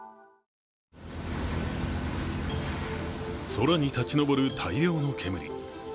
空に立ち上る大量の煙。